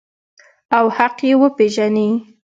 او حق یې وپیژني.